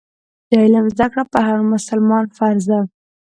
د علم زده کړه پر هر مسلمان فرض ده.